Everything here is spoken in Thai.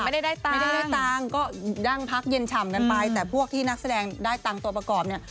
ไม่ได้ได้ตังค์ไม่ได้ได้ตังค์ก็นั่งพักเย็นฉ่ำกันไปแต่พวกที่นักแสดงได้ตังค์ตัวประกอบเนี่ย